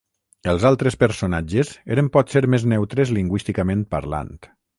Els altres personatges eren potser més neutres lingüísticament parlant.